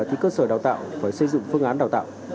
thì cơ sở đào tạo phải xây dựng phương án đào tạo